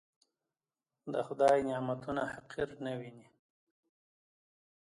د خدای نعمتونه حقير نه وينئ.